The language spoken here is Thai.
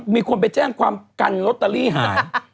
มีคนไปแจ้งความกันลอตเตอรี่หาย